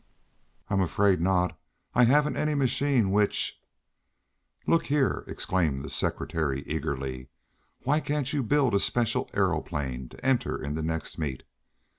"I'm afraid not. I haven't any machine which " "Look here!" exclaimed the secretary eagerly. "Why can't you build a special aeroplane to enter in the next meet?